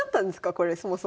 これそもそも。